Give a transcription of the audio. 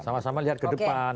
sama sama lihat ke depan